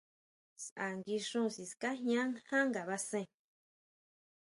Saʼa nguixún sikajian ján ngabasen.